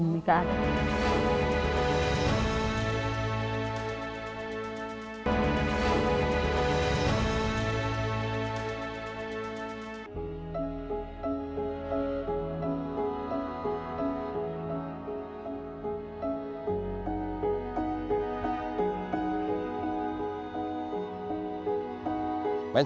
dapat uang dari mana